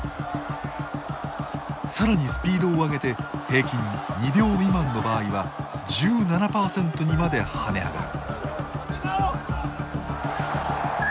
さらにスピードを上げて平均２秒未満の場合は１７％にまで跳ね上がる。